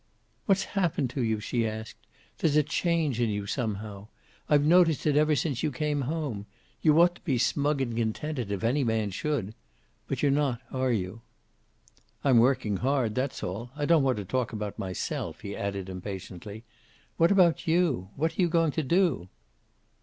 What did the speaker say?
"What's happened to you?" she asked. "There's a change in you, somehow. I've noticed it ever since you came home. You ought to be smug and contented, if any man should. But you're not, are you?" "I'm working hard. That's all. I don't want to talk about myself," he added impatiently. "What about you? What are you going to do?"